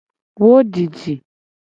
Wo didi.